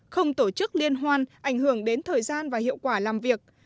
không tổ chức liên hoan ảnh hưởng đến thời gian và hiệu quả làm việc